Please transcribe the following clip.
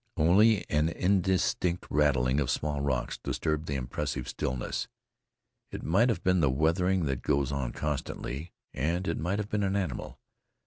Only an indistinct rattling of small rocks disturbed the impressive stillness. It might have been the weathering that goes on constantly, and it might have been an animal.